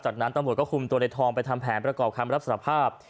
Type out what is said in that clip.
จากนั้นตำรวจก็คุมตัวในทองไปทำแผนประกอบคำรับสารภาพ